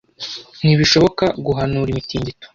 Ntibishoboka guhanura imitingito.